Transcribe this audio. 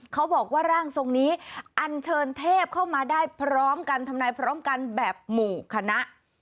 เขาบอกว่าร่างทรงนี้อันเชิญเทพเข้ามาได้พร้อมกันทำนายพร้อมกันแบบหมู่คณะ